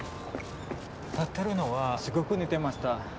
立ってるのはすごく似てました